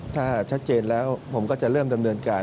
ถ้าชัดเจนแล้วผมก็จะเริ่มดำเนินการ